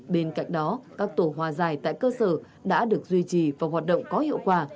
bên cạnh đó các tổ hòa giải tại cơ sở đã được duy trì và hoạt động có hiệu quả